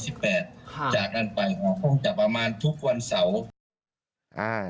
จากนั้นไปพ่อมันจะประมาณทุกวันเสาร์